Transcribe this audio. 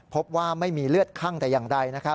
พบว่าไม่มีเลือดคั่งแต่อย่างใด